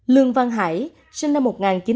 lương văn hải sinh năm một nghìn chín trăm tám mươi